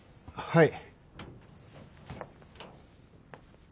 はい。